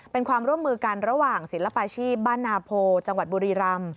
เป็นความร่วมมือกันระหว่างศิลปาชีพบ้านนาโพจังหวัดบุรีรำ